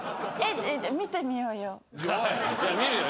見るよ